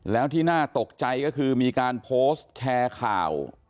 แล้วที่น่าตกใจก็คือมีการโพสต์แชร์ข่าว